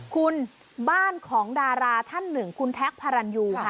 คุณบ้านของดาราท่านหนึ่งคุณแท็กพารันยูค่ะ